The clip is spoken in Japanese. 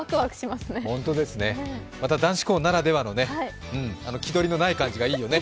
また男子校ならではのね、あの気取りのない感じがいいよね。